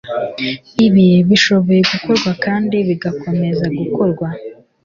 Ibi bishoboye gukorwa kandi bigakomeza gukorwa